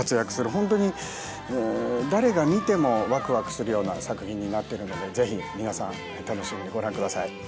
本当に誰が見てもワクワクするような作品になってるので是非皆さん楽しみにご覧ください。